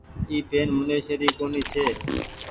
اي پين منيشي ري ڪونيٚ ڇي۔